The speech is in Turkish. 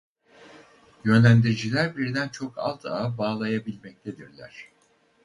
Yönlendiriciler birden çok alt ağa bağlayabilmektedirler.